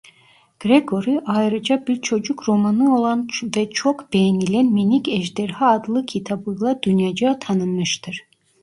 Gregory ayrıca bir çocuk romanı olan ve çok beğenilen minik ejderha adlı kitabıyla dünyaca tanınmıştır.